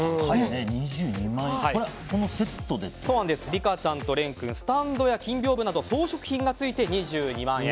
リカちゃんとレンくん金屏風など装飾品が付いて２２万円。